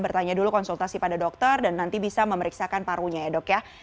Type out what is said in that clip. bertanya dulu konsultasi pada dokter dan nanti bisa memeriksakan parunya ya dok ya